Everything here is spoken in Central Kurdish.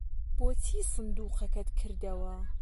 بۆچی سندووقەکەت کردەوە؟